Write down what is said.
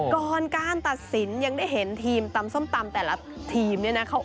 ก่อนการตัดสินยังได้เห็นทีมตำส้มตำแต่ละทีมเนี่ยนะ